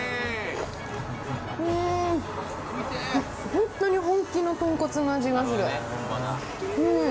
本当に本気のとんこつの味がする。